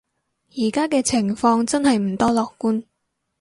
而家嘅情況真係唔多樂觀